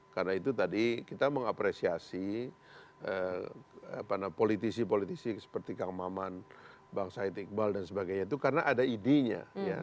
karena itu tadi kita mengapresiasi politisi politisi seperti kang maman bang said iqbal dan sebagainya itu karena ada idenya